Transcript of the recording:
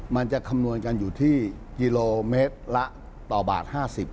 มันจะคำนวณกันอยู่ที่กิโลเมตรละต่อบาท๕๐บาท